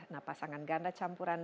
nah pasangan ganda campuran